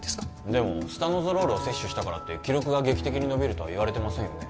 でもスタノゾロールを摂取したからって記録が劇的に伸びるとは言われてませんよね